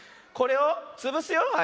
これをつぶすよ。